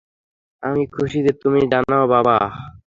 আমি খুশি যে তুমি জানো, বাবা।